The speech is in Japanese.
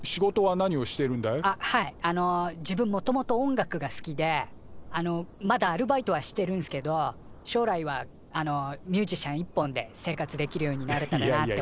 あっはいあの自分もともと音楽が好きであのまだアルバイトはしてるんすけど将来はあのミュージシャン一本で生活できるようになれたらなって。